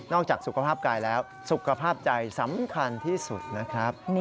จากสุขภาพกายแล้วสุขภาพใจสำคัญที่สุดนะครับ